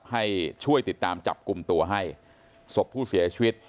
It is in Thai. ให้ช่วยติดตามจับกลุ่มตัวให้ศพผู้เสียชีวิต